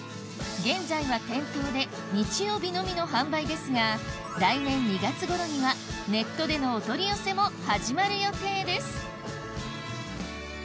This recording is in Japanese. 現在は店頭で日曜日のみの販売ですが来年２月ごろにはネットでのお取り寄せも始まる予定です